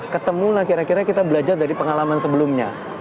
ketemu lah kira kira kita belajar dari pengalaman sebelumnya